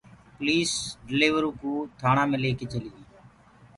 پوليٚس ڊليورو ڪو ٿآڻآ مي ليڪي چليٚ گئيٚ